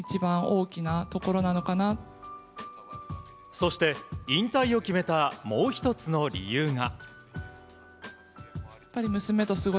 そして、引退を決めたもう１つの理由が。